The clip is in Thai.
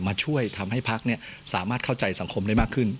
มาช่วยทำให้พักสามารถเข้าใจสังคมได้มากขึ้น